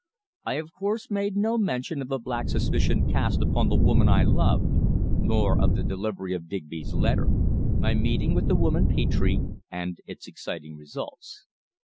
I, of course, made no mention of the black suspicion cast upon the woman I loved, nor of the delivery of Digby's letter, my meeting with the woman Petre and its exciting results.